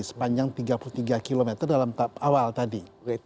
sepanjang tiga puluh tiga km dalam awal tadi